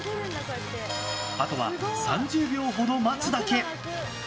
あとは３０秒ほど待つだけ。